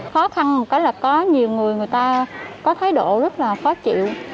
khó khăn là có nhiều người người ta có thái độ rất là khó chịu